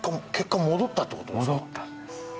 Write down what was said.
戻ったんです。